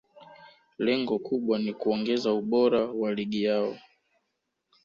lengo kubwa ni kuongeza ubora wa ligi yao